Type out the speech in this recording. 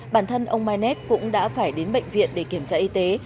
bản thân ông mynet cũng đã phải đến bệnh viện để kiểm tra y tế